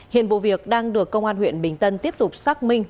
hiện vụ việc đang được công an huyện bình tân tiếp tục xác minh